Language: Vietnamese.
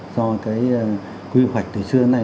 do cái quy hoạch từ xưa đến nay